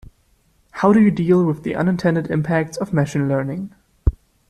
How do you deal with the unintended impacts of machine learning?